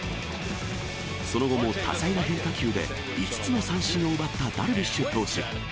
その後も多彩な変化球で５つの三振を奪ったダルビッシュ投手。